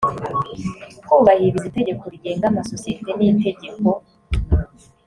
kubahiriza itegeko rigenga amasosiyete nitegeko.